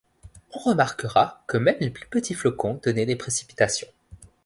On remarquera que même les plus petits flocons donnaient des précipitations.